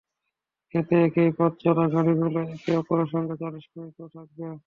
এতে একই পথে চলা গাড়িগুলো একে অপরের সঙ্গে চাইলে সংযুক্তও থাকবে।